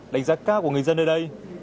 đánh giá cao của người dân ở đây